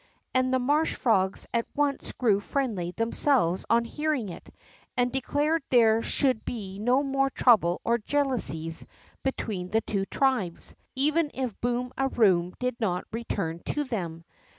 And the marsh frogs at once grew friendly themselves on hearing it, and declared there should be no more trouble or jealousies be tween the two tribes, even if Boom a Boom did not return to them.